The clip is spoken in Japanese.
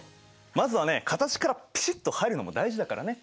まずはね形からピシッと入るのも大事だからね。